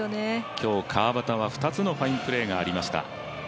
今日、川畑は２つのファインプレーがありました。